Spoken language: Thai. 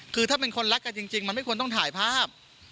คือถ้าเป็นคนรักกันจริงมันไม่ควรต้องถ่ายภาพ